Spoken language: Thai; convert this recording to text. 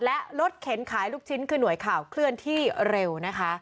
และรถเข็นขายลูกชิ้นคือหน่วยข่าวเคลื่อนที่เร็วนะคะ